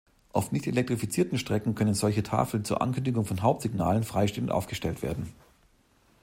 Auf nicht elektrifizierten Strecken können solche Tafeln zur Ankündigung von Hauptsignalen freistehend aufgestellt werden.